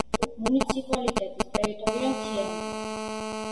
მუნიციპალიტეტის ტერიტორია მთიანია.